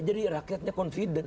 jadi rakyatnya confident